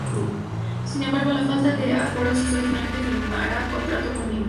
Sin embargo, la falta de acuerdos hizo que finalmente firmara contrato con Minardi.